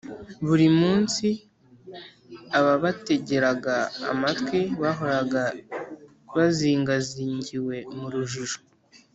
buri munsi ababategeraga amatwi bahoraga bazingazingiwe mu rujijo